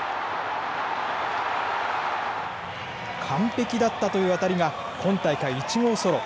完璧だったという当たりが今大会１号ソロ。